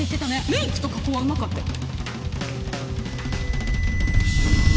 メイクと加工はうまかったよ。